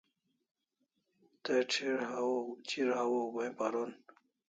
Te chi'r hawaw goi'n paron